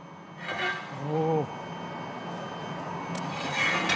おお。